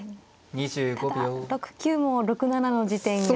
ただ６九も６七の地点や。